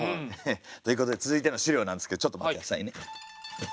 ということで続いての資料なんですけどちょっと待って下さいね。